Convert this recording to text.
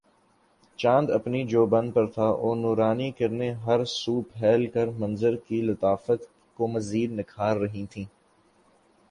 چاند اپنے جوبن پر تھا اور نورانی کرنیں ہر سو پھیل کر منظر کی لطافت کو مزید نکھار رہی تھیں